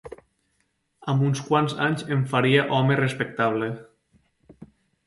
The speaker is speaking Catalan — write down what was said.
Amb uns quants anys em faria home respectable.